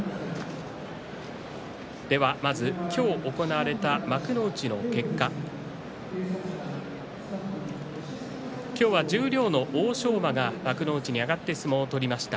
今日、行われた幕内の結果今日は十両の欧勝馬が幕内に上がって相撲を取りました。